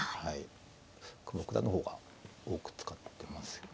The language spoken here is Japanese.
久保九段の方が多く使ってますよね。